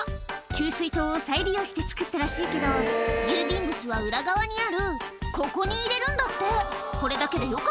給水塔を再利用して作ったらしいけど、郵便物は裏側にある、ここに入れるんだって。